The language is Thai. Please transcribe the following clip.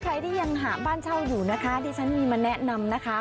ใครที่ยังหาบ้านเช่าอยู่นะคะดิฉันมีมาแนะนำนะคะ